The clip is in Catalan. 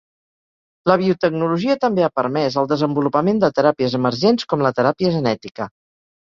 La biotecnologia també ha permès el desenvolupament de teràpies emergents com la teràpia genètica.